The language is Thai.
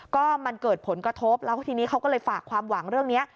ก็มันเกิดผลกระทบแล้วทีนี้เขาก็เลยฝากความหวังเรื่องนี้